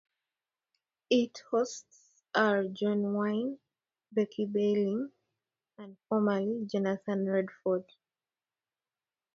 Its hosts are John Wynn, Becky Baeling, and formerly, Jonathan Redford.